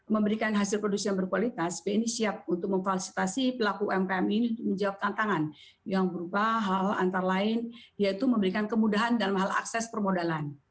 memberikan hasil produksi yang berkualitas bni siap untuk memfasilitasi pelaku umkm ini untuk menjawab tantangan yang berupa hal antara lain yaitu memberikan kemudahan dalam hal akses permodalan